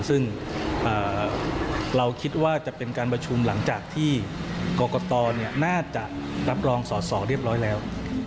ซึ่งเราคิดว่าจะเป็นการประชุมหลังจากที่กรกตน่าจะรับรองสอสอเรียบร้อยแล้ว